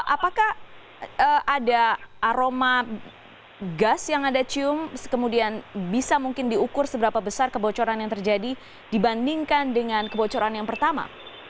apakah ada aroma gas yang anda cium kemudian bisa mungkin diukur seberapa besar kebocoran yang terjadi dibandingkan dengan kebocoran yang pertama